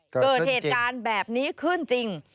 เกิดเหตุการณ์แบบนี้ขึ้นจริง